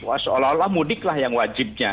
masyaallah mudik lah yang wajibnya